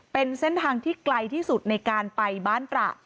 เป็นเส้นทางที่ไกลที่สุดในการไปบ้านตระ